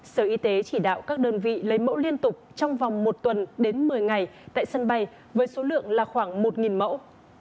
sở y tế chỉ đạo các đơn vị lấy mẫu liên tục trong vòng một tuần đến một mươi ngày tại sân bay với số lượng là khoảng một mẫu